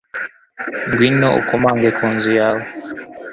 ngwino ukomange ku nzu yawe